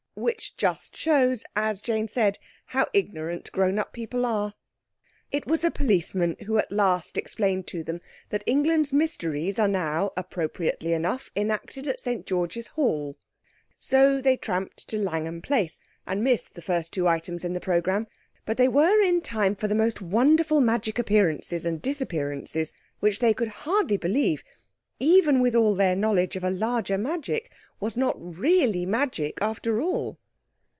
Which just shows, as Jane said, how ignorant grown up people are. It was a policeman who at last explained to them that England's Mysteries are now appropriately enough enacted at St George's Hall. So they tramped to Langham Place, and missed the first two items in the programme. But they were in time for the most wonderful magic appearances and disappearances, which they could hardly believe—even with all their knowledge of a larger magic—was not really magic after all.